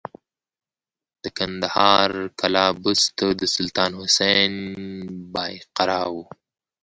د کندهار قلعه بست د سلطان حسین بایقرا و